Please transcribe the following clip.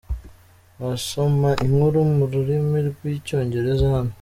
Wasoma inkuru mu rurimi rw’icyongereza hano.